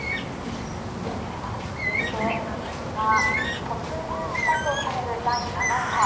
では続いてなんですが、突入したとされる第７波。